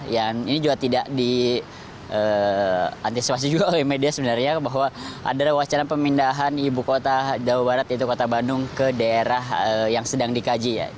yang ini juga tidak diantisipasi juga oleh media sebenarnya bahwa ada wacana pemindahan ibu kota jawa barat yaitu kota bandung ke daerah yang sedang dikaji ya